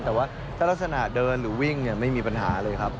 แต่ว่าถ้ารักษณะเดินหรือวิ่งไม่มีปัญหาเลยครับ